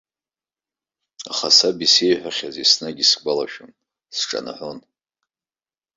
Аха саб исеиҳәахьаз еснагь исгәалашәон, сҿанаҳәон.